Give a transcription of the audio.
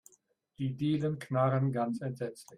Die Dielen knarren ganz entsetzlich.